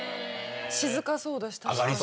静かそうだし確かに。